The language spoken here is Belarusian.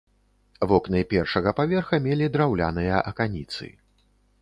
Вокны першага паверха мелі драўляныя аканіцы.